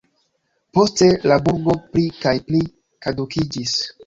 Poste la burgo pli kaj pli kadukiĝis.